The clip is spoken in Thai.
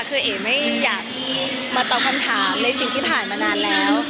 คือเอ๋ไม่อยากมาตอบคำถามในสิ่งที่ผ่านมานานแล้ว